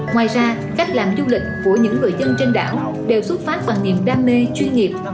ngoài ra cách làm du lịch của những người dân trên đảo đều xuất phát bằng niềm đam mê chuyên nghiệp